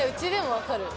分かる？